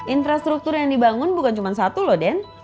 infrastruktur yang dibangun bukan cuma satu loh den